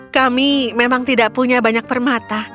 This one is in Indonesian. kami memang tidak punya banyak permata